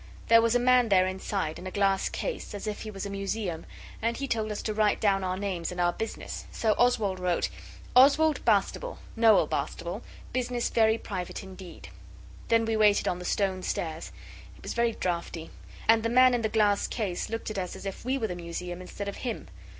There was a man there inside, in a glass case, as if he was a museum, and he told us to write down our names and our business. So Oswald wrote OSWALD BASTABLE NOEL BASTABLE BUSINESS VERY PRIVATE INDEED Then we waited on the stone stairs; it was very draughty. And the man in the glass case looked at us as if we were the museum instead of him.